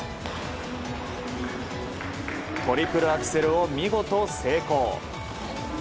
トリプルアクセルを見事成功。